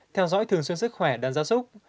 theo dõi thường xuyên sức khỏe đàn da súc